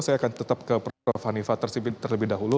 saya akan tetap ke prof hanifah tersimpin terlebih dahulu